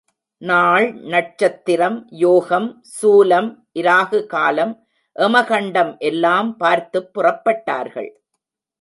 நாள், நட்சத்திரம், யோகம், சூலம் இராகுகாலம், எமகண்டம் எல்லாம் பார்த்துப் புறப்பட்டார்கள்.